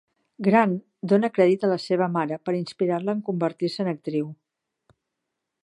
Grant dona crèdit a la seva mare per inspirar-la en convertir-se en actriu.